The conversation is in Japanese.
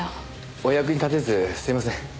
お役に立てずすみません。